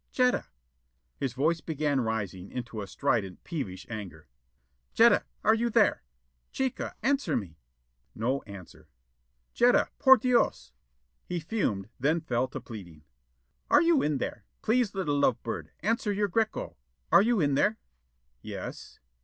"Jetta." His voice began rising into a strident, peevish anger. "Jetta, are you in there? Chica, answer me." No answer. "Jetta, por Dios " He fumed, then fell to pleading. "Are you in there? Please, little love bird, answer your Greko. Are you in there?" "Yes."